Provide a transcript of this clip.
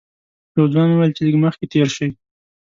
یوه ځوان وویل چې لږ مخکې تېر شئ.